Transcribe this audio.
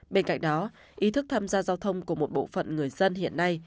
bên cạnh đó ý thức tham gia giao thông của một bộ phận người dân hiện nay